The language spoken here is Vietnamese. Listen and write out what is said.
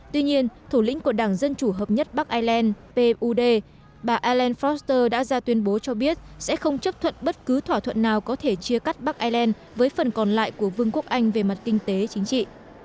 tuy nhiên thủ lĩnh của đảng dân chủ hợp nhất bắc ireland pud bà ireland froster đã ra tuyên bố cho biết sẽ không chấp thuận bất cứ thỏa thuận nào có thể chia cắt bắc ireland với phần còn lại của vương quốc anh về mặt kinh tế chính trị